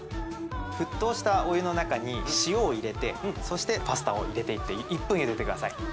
沸騰したお湯の中に塩を入れてそしてパスタを入れていって１分茹でてください。